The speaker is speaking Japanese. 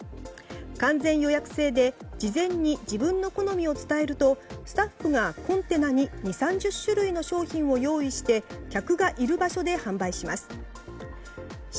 完全予約制で事前に自分の好みを伝えるとスタッフがコンテナに２０３０種類の商品を用意して客がいる場所で販売します。